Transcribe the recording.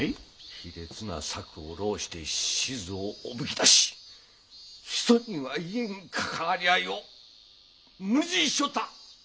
卑劣な策を弄して志津をおびき出し人には言えん関わり合いを無理強いしよった！